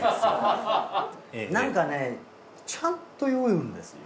なんかねちゃんと酔うんですよ。